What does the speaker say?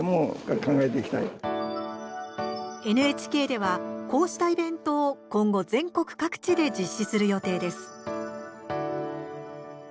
ＮＨＫでは、こうしたイベントを今後、全国各地で実施する予定です。